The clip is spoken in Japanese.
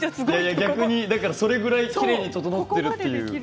それぐらいきれいに整っているというか。